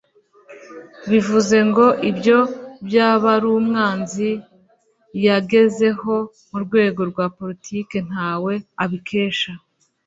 Bivuze ngo ibyo Byabarumwanzi yagezeho murwego rwa politiki ntawe abikesha